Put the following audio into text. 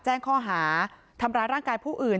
แจ้งข้อหาทำร้ายร่างกายผู้อื่น